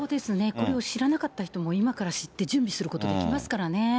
これを知らなかった人も、今から知って準備することできますからね。